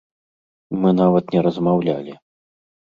Мы нават не размаўлялі.